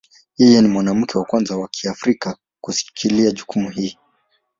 Yeye ni mwanamke wa kwanza wa Kiafrika kushikilia jukumu hili.